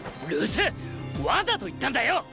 るせー！わざと言ったんだよ！